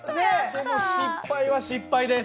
でも失敗は失敗です。